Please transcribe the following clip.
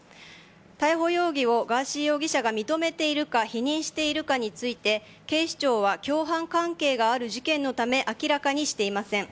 逮捕容疑をガーシー容疑者が認めているか否認しているかについて警視庁は共犯関係がある事件のため明らかにしていません。